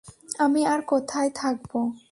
আমি আর কোথায় থাকব?